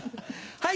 はい。